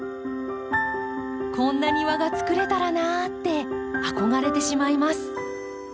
こんな庭がつくれたらなって憧れてしまいます。